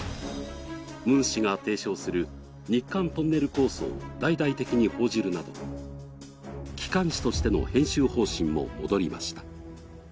ムン氏が提唱する日韓トンネル構想を大々的に報じるなど、機関紙としての編集方針も戻りました。